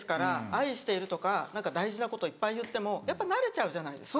「愛している」とか大事なこといっぱい言ってもやっぱ慣れちゃうじゃないですか。